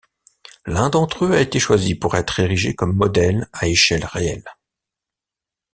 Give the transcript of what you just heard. L’un d’entre eux a été choisi pour être érigé comme modèle à échelle réelle.